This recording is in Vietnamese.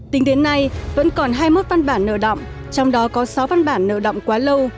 tính đến nay vẫn còn hai mươi một văn bản nợ động trong đó có sáu văn bản nợ động quá lâu